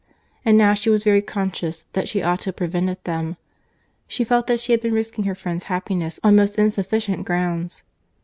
And now she was very conscious that she ought to have prevented them.—She felt that she had been risking her friend's happiness on most insufficient grounds.